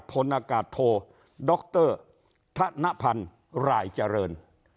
พลอากาศโทดรธนพันธ์รายเจริญ